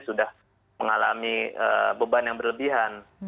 sudah mengalami beban yang berlebihan